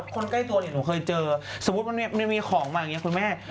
คนใกล้ตัวเนี่ยหนูเคยเจอสมมุติมันมีของมาอย่างนี้คุณแม่